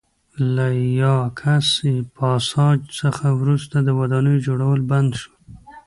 له یاکس پاساج څخه وروسته د ودانیو جوړول بند شول